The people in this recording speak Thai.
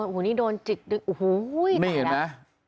อ้อโหนี่โดนจิกโอ้โหไม่เห็นไหม